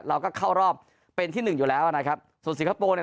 เราก็เข้ารอบเป็นที่หนึ่งอยู่แล้วนะครับส่วนสิงคโปร์เนี่ย